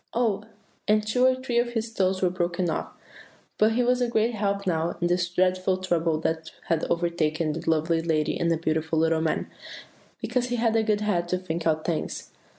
Oh! and two or three of his toes were broken off; but he was a great help now in this dreadful trouble that had overtaken the lovely lady and the beautiful little man, because he had a good head to think out things."